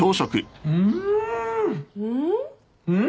うん！